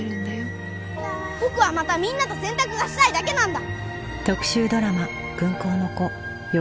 僕はまたみんなと洗濯がしたいだけなんだ！